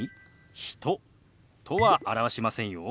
「人」とは表しませんよ。